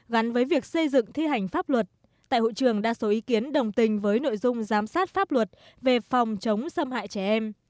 gắn với việc xây dựng thi hành pháp luật tại hội trường đa số ý kiến đồng tình với nội dung giám sát pháp luật về phòng chống xâm hại trẻ em